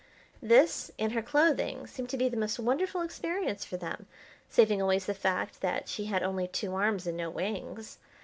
This and her clothing seemed to be the most wonderful experience for them, saving always the fact that she had only two arms and no wings.